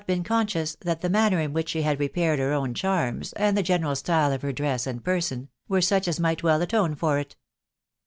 been conscious that the manner in which^he had repaired, hn ova charms, and the general style of her dress and. person* wen such as might well atone for it.